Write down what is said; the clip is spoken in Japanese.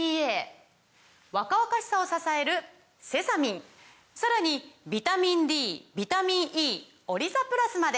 若々しさを支えるセサミンさらにビタミンＤビタミンＥオリザプラスまで！